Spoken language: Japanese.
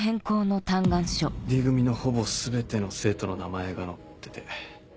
Ｄ組のほぼ全ての生徒の名前が載ってて。